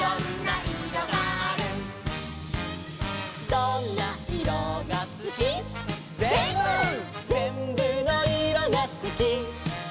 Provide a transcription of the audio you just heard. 「どんないろがすき」「ぜんぶ」「ぜんぶのいろがすき」